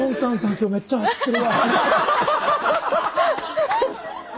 今日めっちゃ走ってるわ」みたいな。